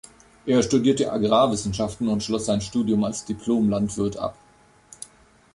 Er studierte Agrarwissenschaften und schloss sein Studium als Diplom-Landwirt ab.